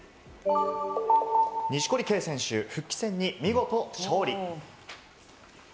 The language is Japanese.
錦織圭選手、復帰戦に見事勝利。